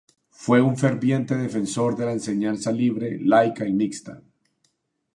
Fue un ferviente defensor de la enseñanza libre, laica y mixta.